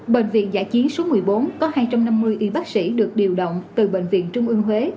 bệnh viện giã chiến số một mươi bốn có hai trăm năm mươi y bác sĩ được điều động từ bệnh viện trung ương huế